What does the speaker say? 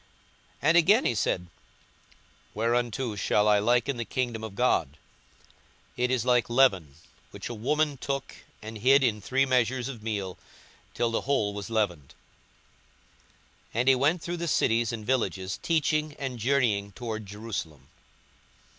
42:013:020 And again he said, Whereunto shall I liken the kingdom of God? 42:013:021 It is like leaven, which a woman took and hid in three measures of meal, till the whole was leavened. 42:013:022 And he went through the cities and villages, teaching, and journeying toward Jerusalem.